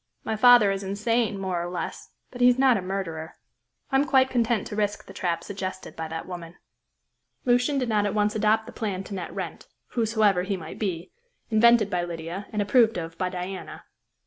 "My father is insane more or less, but he is not a murderer. I am quite content to risk the trap suggested by that woman." Lucian did not at once adopt the plan to net Wrent whosoever he might be invented by Lydia, and approved of by Diana.